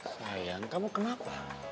sayang kamu kenapa